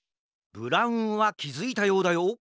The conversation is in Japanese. ブラウンはきづいたようだよ。